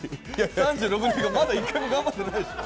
３６年間、まだ一回も頑張ってないでしょう。